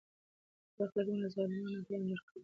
تاريخ ليکونکو له ظالمانو اتلان جوړ کړي دي.